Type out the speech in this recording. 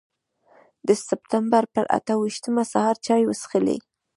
د سپټمبر پر اته ویشتمه سهار چای وڅښلې.